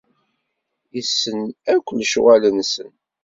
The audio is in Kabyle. Issen akk lecɣal-nsen.